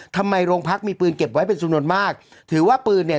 ทำไมโรงพักมีปืนเก็บไว้เป็นจำนวนมากถือว่าปืนเนี่ย